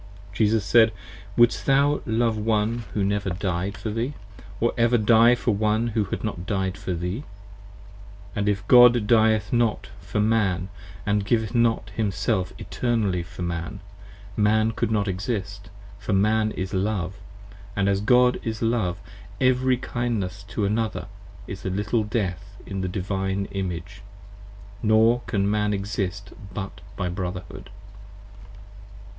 Jesus said. Wouldest thou love one who never died For thee,~or ever die for one who had not died for thee. 25 And if God dieth not for Man & giveth not himself Eternally for Man, Man could not exist, for Man is Love, As God is Love: every kindness to another is a little Death In the Divine Image, nor can Man exist but by Brotherhood.